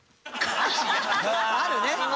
あるね！